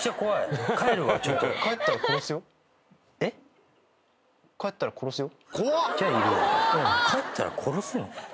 帰ったら殺すよ？